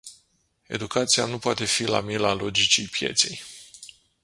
Educația nu poate fi la mila logicii pieței.